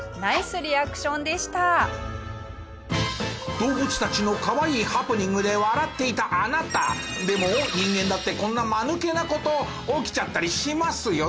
動物たちのかわいいハプニングで笑っていたあなたでも人間だってこんなマヌケな事起きちゃったりしますよね。